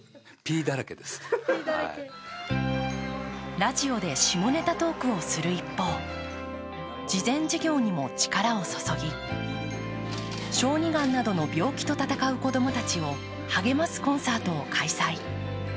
ラジオで下ネタトークをする一方慈善事業にも力を注ぎ、小児がんなどの病気と闘う子供たちを励ますコンサートを開催。